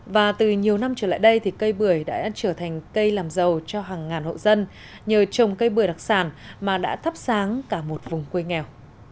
và từ nhiều năm trở lại đây thì cây bưởi đã trở thành cây làm giàu cho hàng ngàn hộ dân nhờ trồng cây bưởi đặc sản mà đã thắp sáng cả một vùng quê nghèo